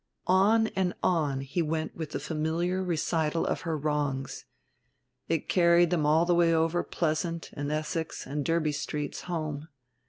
On and on he went with the familiar recital of her wrongs. It carried them all the way over Pleasant and Essex and Derby Streets home.